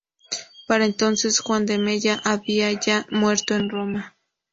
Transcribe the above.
Para entonces Juan de Mella había ya muerto en Roma.